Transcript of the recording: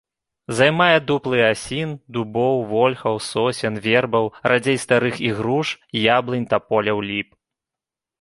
Займае дуплы асін, дубоў, вольхаў, сосен, вербаў, радзей старых ігруш, яблынь, таполяў, ліп.